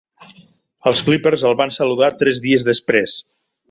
Els Clippers el van saludar tres dies després.